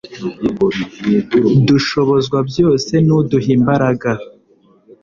dushobozwa byose n'Uduha imbaraga.